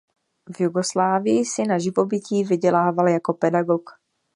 V Jugoslávii si na živobytí vydělával jako pedagog.